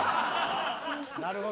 なるほど。